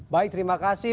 baik terima kasih